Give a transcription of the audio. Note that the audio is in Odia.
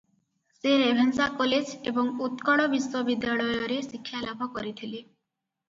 ସେ ରେଭେନ୍ସା କଲେଜ ଏବଂ ଉତ୍କଳ ବିଶ୍ୱବିଦ୍ୟାଳୟରେ ଶିକ୍ଷାଲାଭ କରିଥିଲେ ।